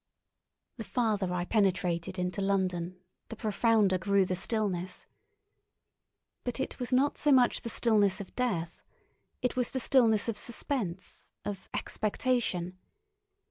The farther I penetrated into London, the profounder grew the stillness. But it was not so much the stillness of death—it was the stillness of suspense, of expectation.